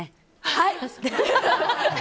はい！